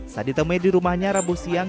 saat ditemui di rumahnya rabu siang